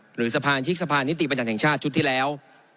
หรือสมาชิกสภานิติบัญญัติแห่งชาติชุดที่แล้ว